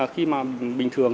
khi mà bình thường